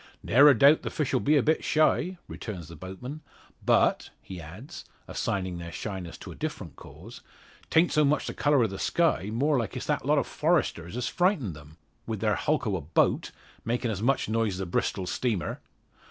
"Ne'er a doubt the fish'll be a bit shy," returns the boatman; "but," he adds, assigning their shyness to a different cause, "'tain't so much the colour o' the sky; more like it's that lot of Foresters has frightened them, with their hulk o' a boat makin' as much noise as a Bristol steamer.